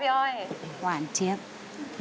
สวัสดีครับ